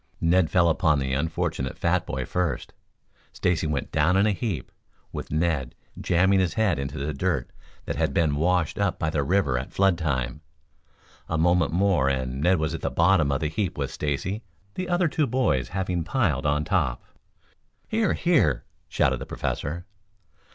Ned fell upon the unfortunate fat boy first. Stacy went down in a heap with Ned jamming his head into the dirt that had been washed up by the river at flood time. A moment more and Ned was at the bottom of the heap with Stacy, the other two boys having piled on top. "Here, here!" shouted the Professor.